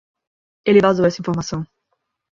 Ele vazou essa informação.